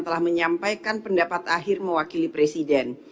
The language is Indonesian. telah menyampaikan pendapat akhir mewakili presiden